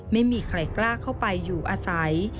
ไม่มีใครกล้าเข้าไปอยู่อาศัย